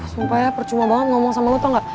sumpah ya percuma banget ngomong sama lo tau gak